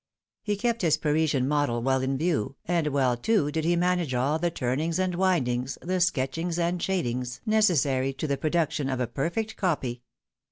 He kept his Parisian model well in view, and well, too, did he manage all the turnings and windings, the sketchings and shadings, necessary to the production of a perfect copy.